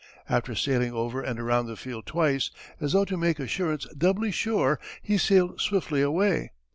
After sailing over and around the field twice as though to make assurance doubly sure he sailed swiftly away.